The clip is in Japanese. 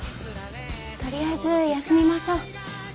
とりあえず休みましょう。